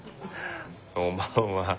おまんは。